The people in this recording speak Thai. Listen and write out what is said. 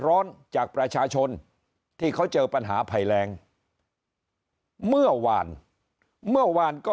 ร้อนจากประชาชนที่เขาเจอปัญหาภัยแรงเมื่อวานเมื่อวานก็